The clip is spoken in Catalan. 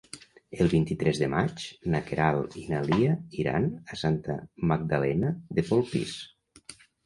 El vint-i-tres de maig na Queralt i na Lia iran a Santa Magdalena de Polpís.